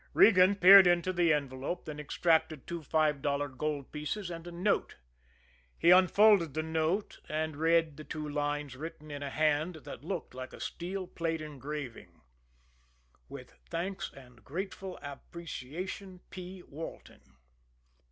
Regan peered into the envelope, then extracted two five dollar gold pieces and a note. He unfolded the note, and read the two lines written in a hand that looked like steel plate engraving. With thanks and grateful appreciation. P. WALTON.